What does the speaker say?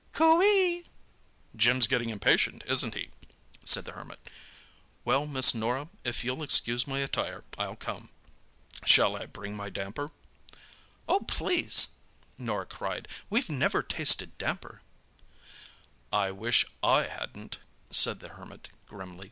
"Coo ee!" "Jim's getting impatient, isn't he?" said the Hermit. "Well, Miss Norah, if you'll excuse my attire I'll come. Shall I bring my damper?" "Oh, please!" Norah cried. "We've never tasted damper." "I wish I hadn't," said the Hermit grimly.